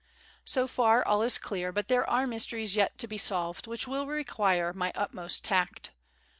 So far, all is clear, but there are mysteries yet to be solved, which will require my utmost tact.